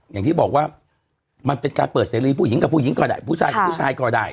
อย่างที่บอกว่ามันเป็นการเปิดเสรีผู้หญิงกับผู้หญิงก็ได้ผู้ชายกับผู้ชายก็ได้